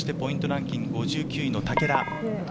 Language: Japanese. ランキング５９位の竹田。